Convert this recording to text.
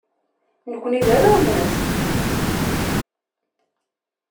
Nekkni d arraw-nnes.